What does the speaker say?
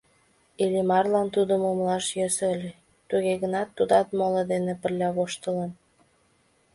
Иллимарлан тидым умылаш йӧсӧ ыле, туге гынат тудат моло дене пырля воштылын.